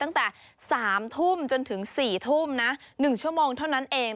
ตั้งแต่๓ทุ่มจนถึง๔ทุ่มนะ๑ชั่วโมงเท่านั้นเอง